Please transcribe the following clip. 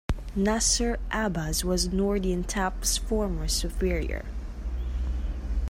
Nasir Abbas was Noordin Top's former superior.